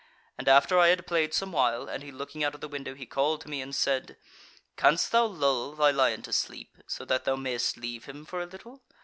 And after I had played some while, and he looking out of the window, he called to me and said: 'Canst thou lull thy lion to sleep, so that thou mayst leave him for a little?